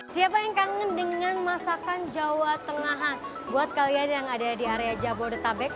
siapa yang kangen dengan masakan jawa tengahan buat kalian yang ada di area jabodetabek